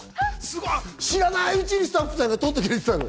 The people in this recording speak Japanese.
知らないうちにスタッフさんが撮っててくれてたの。